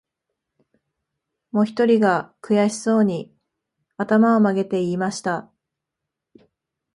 もひとりが、くやしそうに、あたまをまげて言いました